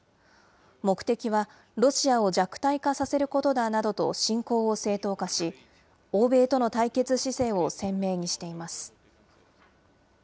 目的は、ロシアを弱体化させることだなどと侵攻を正当化し、欧米との対決姿勢を鮮明にしています。